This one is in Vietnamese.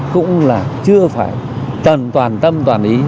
cũng là chưa phải tần toàn tâm toàn ý